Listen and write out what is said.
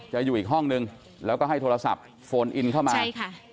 อยู่อีกห้องนึงแล้วก็ให้โทรศัพท์โฟนอินเข้ามาใช่ค่ะ